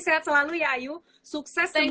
sehat selalu ya ayu sukses dan